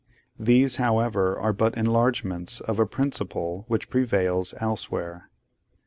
These, however, are but enlargements of a principle which prevails elsewhere.